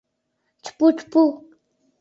Чпу, чпу!..